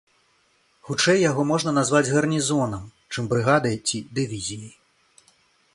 Хутчэй яго можна назваць гарнізонам, чым брыгадай ці дывізіяй.